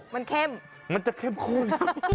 มันเข้มมันจะเข้มข้น